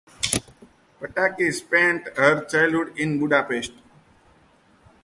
Pataki spent her childhood in Budapest.